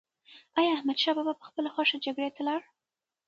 ایا احمدشاه بابا په خپله خوښه جګړې ته لاړ؟